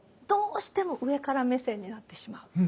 どうしても上から目線になってしまう。